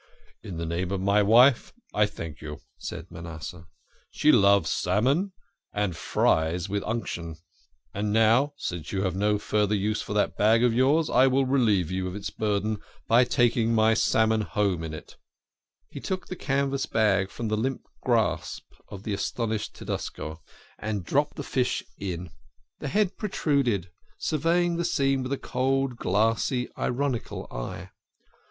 In the name of my wife, I thank you," said Manasseh. " She loves salmon, and fries with unction. And now, since you have no further use for that bag of yours, I will relieve you of its burden by taking my salmon home in it." He took the canvas bag from the limp grasp of the astonished Tedesco, and dropped the fish in. The head protruded, surveying the scene with a cold, glassy, ironical eye. 'THE HEAD PROTRUDED.' 17 18 THE KING OF SCHNORRERS.